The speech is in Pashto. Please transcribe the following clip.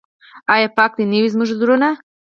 آیا پاک دې نه وي زموږ زړونه؟